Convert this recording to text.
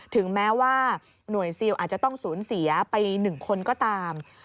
ถึงแม้ว่าหน่วยซิลอาจจะต้องสูญเสียไป๑คนก็ตาม